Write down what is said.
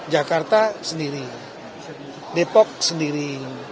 jakarta sendiri depok sendiri